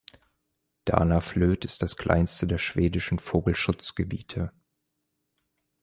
Danaflöt ist das kleinste der schwedischen Vogelschutzgebiete.